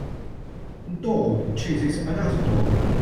a dog chases another dog.